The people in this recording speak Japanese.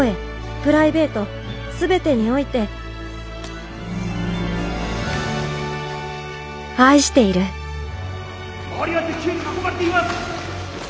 プライベート全てにおいて愛している周りは敵兵に囲まれています！